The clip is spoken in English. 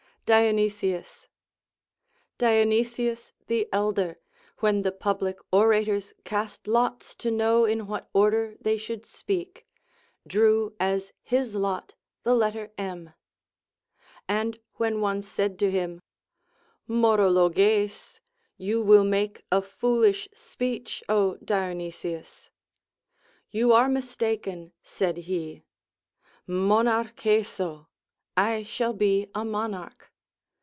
DioNYSius. Dionysius the Elder, when the public ora tors cast lots to know in what order they should speak, drew as his lot the letter M. And Λvhen one said to him, Μωρολογεΐς, You Will make a foolish speech, Ο Dionysius , You are mistaken, said he, Μοναρχί^σω, I shall be a mouarch.